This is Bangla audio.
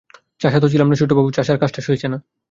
চাষা তো ছিলাম না ছোটবাবু, চাষার কাজটা সইছে না।